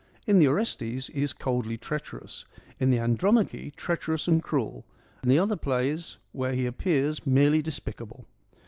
In the Orestes he is coldly treacherous, in the Andromache treacherous and cruel, in the other plays where he appears merely despicable.